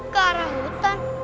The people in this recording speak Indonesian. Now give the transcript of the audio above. ke arah hutan